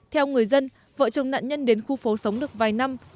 theo người dân vợ chồng nạn nhân đến khu phố sống được vài năm